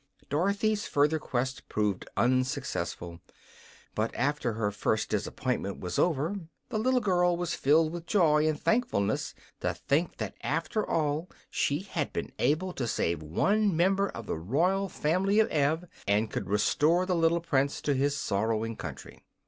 Dorothy's further quest proved unsuccessful; but after her first disappointment was over, the little girl was filled with joy and thankfulness to think that after all she had been able to save one member of the royal family of Ev, and could restore the little Prince to his sorrowing country.